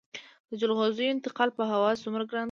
د جلغوزیو انتقال په هوا څومره ګران دی؟